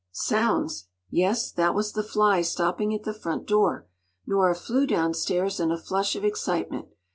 Sounds! Yes, that was the fly stopping at the front door! Nora flew downstairs, in a flush of excitement.